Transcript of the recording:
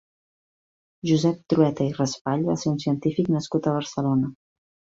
Josep Trueta i Raspall va ser un científic nascut a Barcelona.